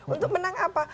untuk menang apa